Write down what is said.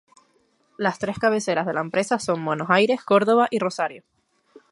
Las tres cabeceras de la empresa son Buenos Aires, Córdoba y Rosario.